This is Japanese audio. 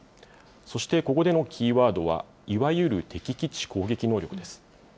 そしてここでのキーワードは、いわゆる敵基地攻撃能力です。